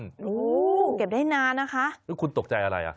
โอ้โหเก็บได้นานนะคะแล้วคุณตกใจอะไรอ่ะ